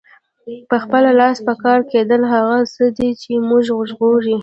په خپله لاس پکار کیدل هغه څه دي چې مونږ ژغوري.